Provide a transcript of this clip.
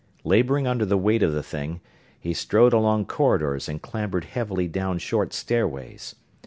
Laboring under the weight of the thing, he strode along corridors and clambered heavily down short stairways.